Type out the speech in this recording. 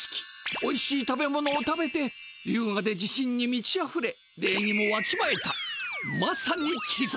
おいしい食べ物を食べてゆうがで自しんにみちあふれ礼ぎもわきまえたまさに貴族！